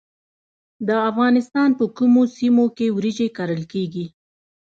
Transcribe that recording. د افغانستان په کومو سیمو کې وریجې کرل کیږي؟